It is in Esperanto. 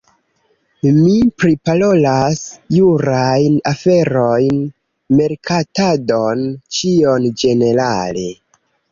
Mi priparolas jurajn aferojn, merkatadon, ĉion ĝenerale